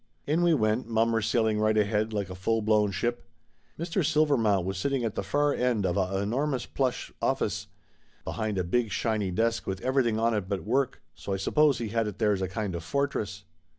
In we went, mommer sailing right ahead like a full blown ship. Mr. Silvermount was sitting at the far end of a enormous plush office, behind a big shiny desk with everything on it but work, so I suppose he had it there as a kind of fortress.